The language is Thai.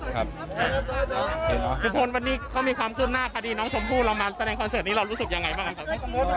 คุณผู้ชมพูดว่าเรามาแสดงคอนเสิร์ตนี้เรารู้สึกยังไงบ้างครับ